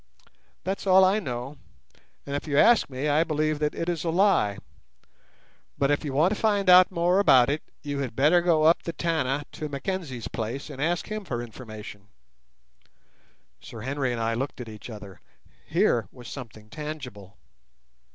That's all I know; and if you ask me, I believe that it is a lie; but if you want to find out more about it, you had better go up the Tana to Mackenzie's place and ask him for information." Sir Henry and I looked at each other. Here was something tangible.